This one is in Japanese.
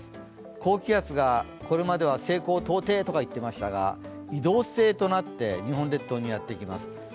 高気圧がこれまでは西高東低とか言ってましたが移動性となって日本列島にやってきます。